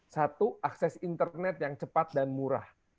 satu akses internet yang cepat dan murah